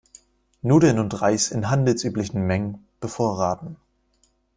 Nudeln und Reis in handelsüblichen Mengen bevorraten.